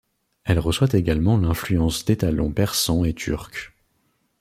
Elle reçoit également l'influence d'étalons persans et turcs.